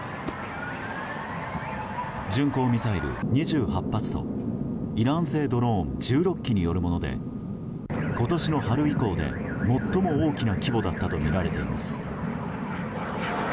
巡航ミサイル２８発とイラン製ドローン１６機によるもので今年の春以降で最も大きな規模だったとみられています。